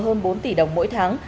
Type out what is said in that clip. hơn bốn tỷ đồng mỗi tháng